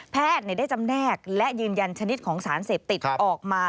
ได้จำแนกและยืนยันชนิดของสารเสพติดออกมา